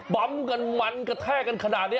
บำกันหมันกะแทกกันขนาดนี้